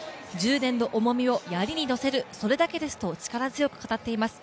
１０年の重みをやりに乗せる、それだけですと力強く語っています。